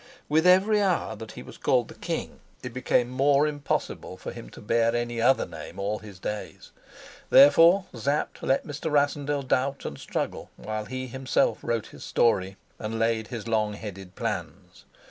With every hour that he was called the king, it became more impossible for him to bear any other name all his days. Therefore Sapt let Mr. Rassendyll doubt and struggle, while he himself wrote his story and laid his long headed plans.